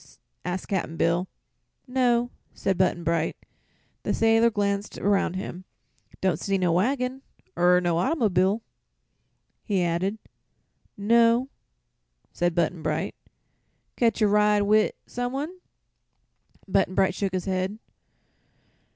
asked Cap'n Bill. "No," said Button Bright. The sailor glanced around him. "Don't see no waggin, er no autymob'l'," he added. "No," said Button Bright. "Catch a ride wi' some one?" Button Bright shook his head.